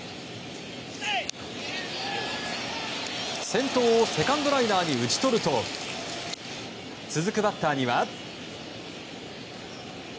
先頭をセカンドライナーに打ち取ると続くバッターには。